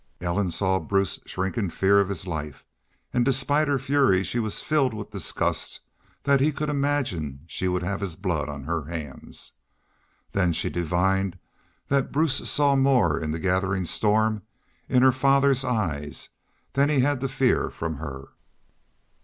Ellen saw Bruce shrink in fear of his life; and despite her fury she was filled with disgust that he could imagine she would have his blood on her hands. Then she divined that Bruce saw more in the gathering storm in her father's eyes than he had to fear from her.